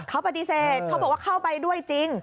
เขาปฏิเสธเขาบอกว่าเข้าไปด้วยจริง